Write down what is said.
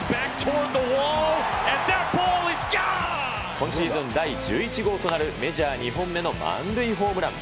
今シーズン第１１号となるメジャー２本目の満塁ホームラン。